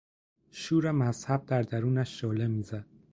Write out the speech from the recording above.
شور مذهب در درونش شعله میزد.